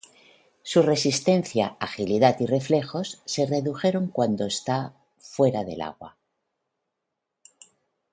Su resistencia, agilidad, y reflejos se redujeron cuando está fuera del agua.